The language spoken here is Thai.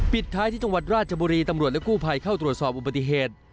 ท้ายที่จังหวัดราชบุรีตำรวจและกู้ภัยเข้าตรวจสอบอุบัติเหตุ